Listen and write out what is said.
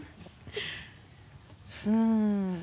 うん。